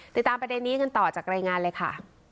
ติดตามประเด็นนี้กันต่อจากรายงานเลยค่ะ